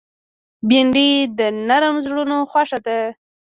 بېنډۍ د نرم زړونو خوښه ده